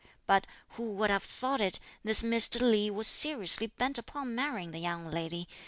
But, who would have thought it, this Mr. Li was seriously bent upon marrying the young lady.